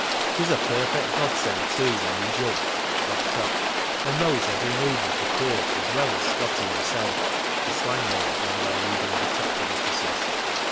She's a perfect godsend too when we're jugged (locked up), and. knows every move of the court as well as Scotty himself (the slang name of one of our leading detective ofiicers).